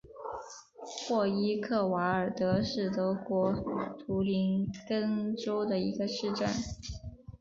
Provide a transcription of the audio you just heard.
霍伊克瓦尔德是德国图林根州的一个市镇。